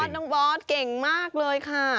น้องบอสเก่งมากเลยค่ะ